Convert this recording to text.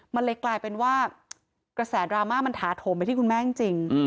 มันเลยกลายเป็นว่ากระแสดราม่ามันถาโถมไปที่คุณแม่จริง